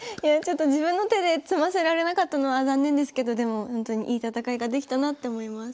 自分の手で詰ませられなかったのは残念ですけどでもほんとにいい戦いができたなって思います。